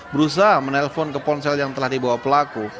berusaha menelpon ke ponsel yang telah dibawa pelaku